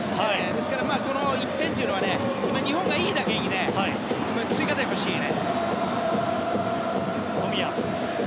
ですから、この１点というのは今、日本がいいだけに追加点が欲しいね。